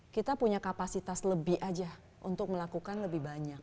kita punya kapasitas lebih aja untuk melakukan lebih banyak